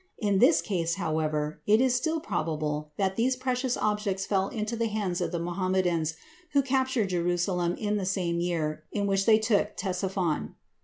In this case, however, it is still probable that these precious objects fell into the hands of the Mohammedans who captured Jerusalem in the same year in which they took Ctesiphon.